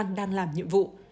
công an đang làm nhiệm vụ